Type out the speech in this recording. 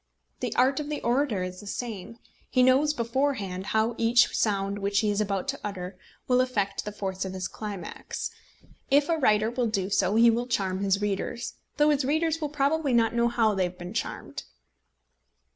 The art of the orator is the same. He knows beforehand how each sound which he is about to utter will affect the force of his climax. If a writer will do so he will charm his readers, though his readers will probably not know how they have been charmed.